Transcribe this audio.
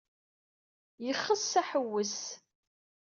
Yexs aḥuwes.